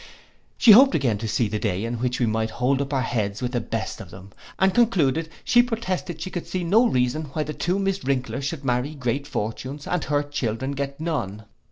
She hoped again to see the day in which we might hold up our heads with the best of them; and concluded, she protested she could see no reason why the two Miss Wrinklers should marry great fortunes, and her children get none.